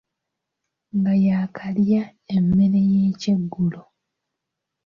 Nga yaakalya emmere y'ekyeggulo.